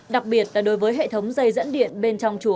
đặc biệt là đối với hệ thống dây dẫn điện bên trong chủ